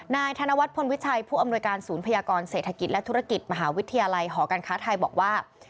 นายธนวัฒนพลวิชัยผู้อำนวยการศูนย์พยากรเศรษฐกิจและธุรกิจมหาวิทยาลัยหอการค้าไทยบอกว่า